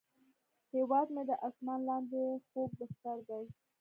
هیواد مې د اسمان لاندې خوږ بستر دی